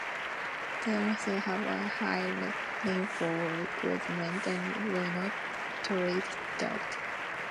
They also have a high rainfall requirement and will not tolerate drought.